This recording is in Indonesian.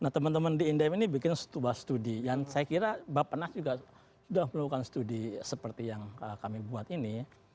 nah teman teman di indem ini bikin stuba studi yang saya kira bapak nas juga sudah melakukan studi seperti yang kami buat ini